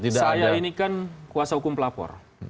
saya ini kan kuasa hukum pelapor